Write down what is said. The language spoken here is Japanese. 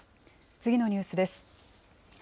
次のニュースです。